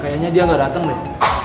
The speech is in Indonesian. kayaknya dia gak dateng dah